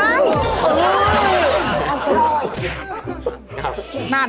เอาเครื่อง